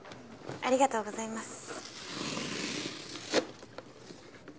ありがとうございます。